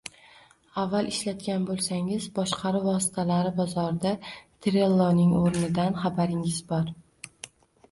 Avval ishlatgan bo’lsangiz, boshqaruv vositalari bozorida Trelloning o’rnidan xabaringiz bor